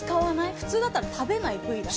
普通だったら食べない部位です。